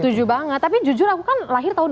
setuju banget tapi jujur aku kan lahir tahun dua ribu dua